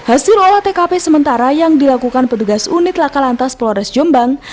hasil olah tkp sementara yang dilakukan petugas unit laka lantas polres jombang